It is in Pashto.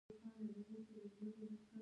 دا جامې راته کوچنۍ دي.